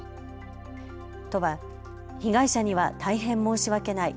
都は、被害者には大変申し訳ない。